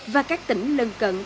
và các tỉnh lân cận